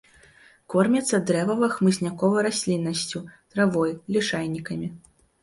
Кормяцца дрэвава-хмызняковай расліннасцю, травой, лішайнікамі.